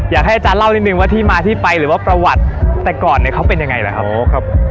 อยากให้อาจารย์เล่านิดนึงว่าที่มาที่ไปหรือว่าประวัติแต่ก่อนเนี่ยเขาเป็นยังไงล่ะครับ